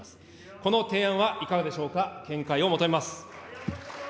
この提案はいかがでしょうか、見解を求めます。